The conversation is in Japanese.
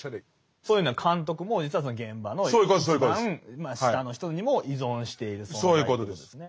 そういうのは監督も実はその現場の一番下の人にも依存している存在ということですね。